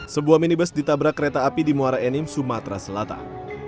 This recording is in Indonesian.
sebuah minibus ditabrak kereta api di muara enim sumatera selatan